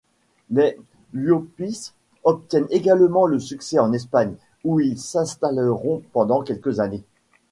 Les Llopis obtiennent également le succès en Espagne, où ils s'installeront pendant quelques années.